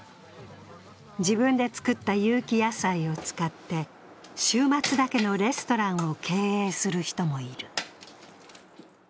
自分で作った有機野菜を使って週末だけのレストランを経営する人もいる。